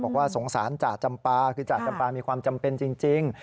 บอกว่าสงสารจ่าจำปาคือจ่าจำปามีความจำเป็นจริง